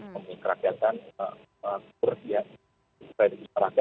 menggerakkan perhiasan supaya bisa berakhir